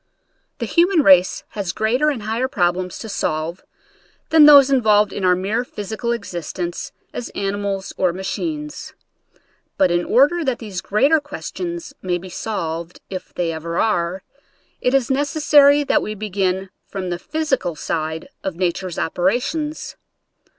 The human race has greater and higher problems to solve than those in volved in our mere physical existence as ani mals or machines. But in order that these greater questions may be solved, if they ever are, it is necessary that we begin from the physical side of nature's operations.